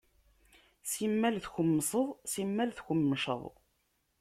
Simmal tkemmseḍ, simmal tkemmceḍ.